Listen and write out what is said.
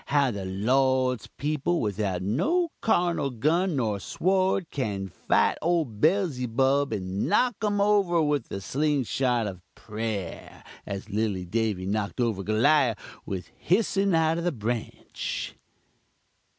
how the Lord's peepul without no carnul gun nor sword, can fite ole Bellzybub and knock um over with the sling rock of prayer, as lilly Davy knocked over Goliawh with hissin out of the Branch.